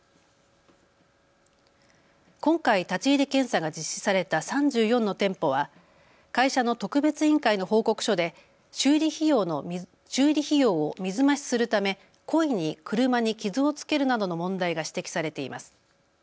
今回、立ち入り検査が実施された３４の店舗は会社の特別委員会の報告書で修理費用を水増しするため故意に車に傷をつけるなどの問題が指摘されています。